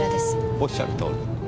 おっしゃるとおり。